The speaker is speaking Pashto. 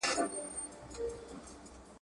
هغه وويل چي ښه اخلاق مهم دي.